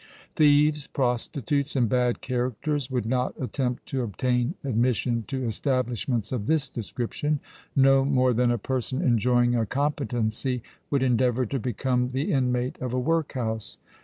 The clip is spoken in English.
Thieves, prostitutes, and bad characters would not attempt to obtain admission to establishments if this description:—no more than a person enjoying a competency would endeavour to become the inmate of a workhouse.